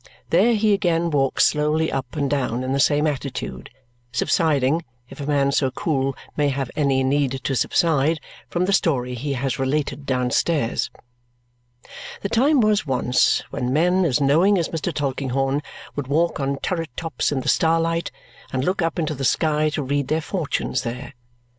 There he again walks slowly up and down in the same attitude, subsiding, if a man so cool may have any need to subside, from the story he has related downstairs. The time was once when men as knowing as Mr. Tulkinghorn would walk on turret tops in the starlight and look up into the sky to read their fortunes there.